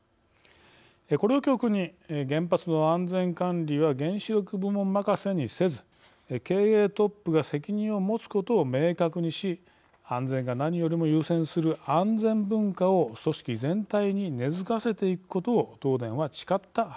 これを教訓に原発の安全管理は原子力部門まかせにせず経営トップが責任を持つことを明確にし安全が何よりも優先する安全文化を組織全体に根付かせていくことを東電は誓ったはずでした。